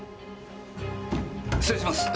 失礼します！